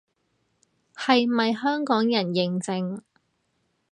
係咪香港人認證